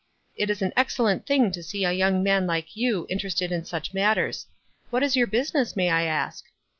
It is an ex cellent thing to see a young man like you inter ested in such matters. What is your business, may I ask